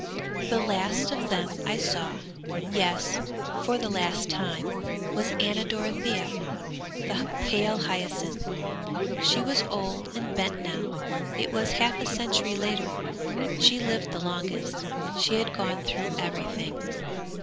'The last of them I saw, yes, for the last time, was Anna Dorothea, the pale hyacinth. She was old and bent now; it was half a century later. She lived the longest, she had gone through everything.